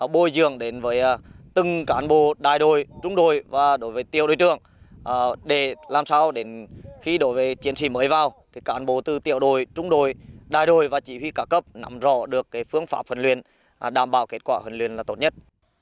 bồi dưỡng đến với từng cán bộ đại đội trung đội và đối với tiểu đội trưởng để làm sao đến khi đối với chiến sĩ mới vào cán bộ từ tiểu đội trung đội đại đội và chỉ huy cả cấp nắm rõ được phương pháp huấn luyện đảm bảo kết quả huấn luyện là tốt nhất